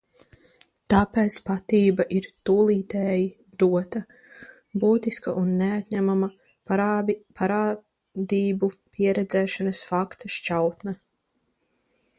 "Tāpēc patība ir "tūlītēji dota", būtiska un neatņemama parādību pieredzēšanas fakta šķautne."